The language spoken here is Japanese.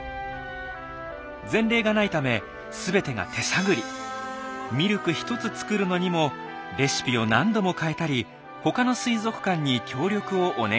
前例がないためミルク１つ作るのにもレシピを何度も変えたり他の水族館に協力をお願いしたり。